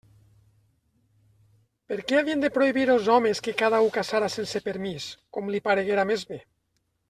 Per què havien de prohibir els homes que cada u caçara sense permís, com li pareguera més bé?